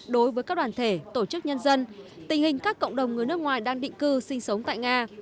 đối với các đoàn thể tổ chức nhân dân tình hình các cộng đồng người nước ngoài đang định cư sinh sống tại nga